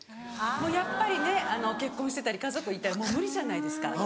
やっぱりね結婚してたり家族いたらもう無理じゃないですか。